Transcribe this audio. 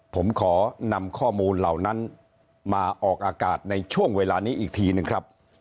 ผมขอนำข้อมูลเหล่านั้นมาออกอากาศในช่วงเวลานี้อีกทีหนึ่งครับ